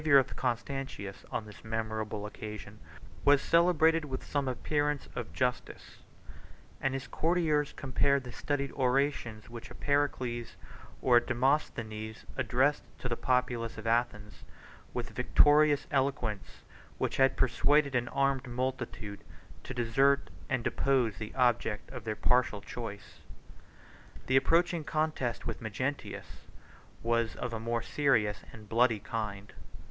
] The behavior of Constantius on this memorable occasion was celebrated with some appearance of justice; and his courtiers compared the studied orations which a Pericles or a Demosthenes addressed to the populace of Athens, with the victorious eloquence which had persuaded an armed multitude to desert and depose the object of their partial choice. 79 The approaching contest with Magnentius was of a more serious and bloody kind.